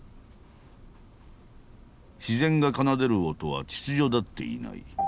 自然が奏でる音は秩序立っていない。